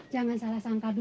jangan salah sangka dulu